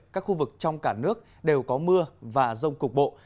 các khu vực trong cả nước đều có mưa và rông cục bộ